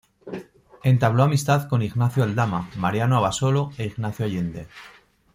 Entabló amistad con Ignacio Aldama, Mariano Abasolo e Ignacio Allende.